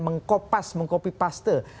mengkopas mengkopi paste